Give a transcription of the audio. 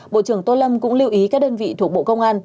bộ trưởng tô lâm cũng lưu ý các đơn vị thuộc bộ công an